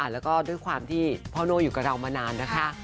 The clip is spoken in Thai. แล้วก็ด้วยความที่พ่อโน่อยู่กับเรามานานนะคะ